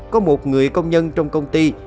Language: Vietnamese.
có một người công nhân trong công ty